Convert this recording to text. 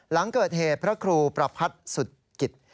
หลังเกิดเหตุพระครูประพัทธ์สุดกิจ